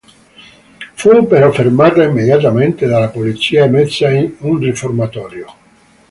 Fu però fermata immediatamente dalla polizia e messa in un riformatorio.